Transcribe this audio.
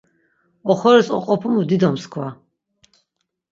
Oxoris oqopumu dido mskva.